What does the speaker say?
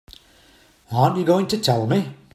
Aren't you going to tell me?